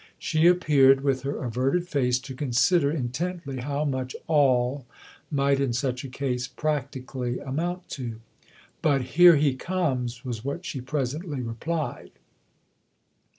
She appeared, with her averted face, to consider intently how much " all " might in such a case prac tically amount to. But " Here he comes " was what she presently replied.